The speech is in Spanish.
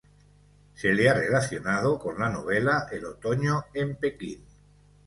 Se la ha relacionado con la novela "El otoño en Pekín".